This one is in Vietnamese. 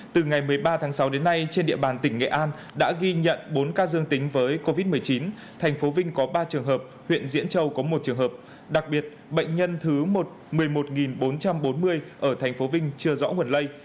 từ ngày một mươi ba tháng sáu đến nay trên địa bàn tỉnh nghệ an đã ghi nhận bốn ca dương tính với covid một mươi chín thành phố vinh có ba trường hợp huyện diễn châu có một trường hợp đặc biệt bệnh nhân thứ một mươi một bốn trăm bốn mươi ở thành phố vinh chưa rõ nguồn lây